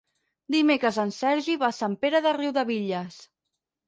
Dimecres en Sergi va a Sant Pere de Riudebitlles.